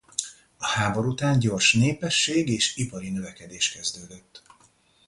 A háború után gyors népesség- és ipari növekedés kezdődött.